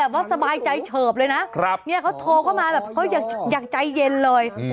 ว่าสบายใจเฉิบเลยนะเขาโทรเข้ามาแบบเขาอย่างใจเย็นเลย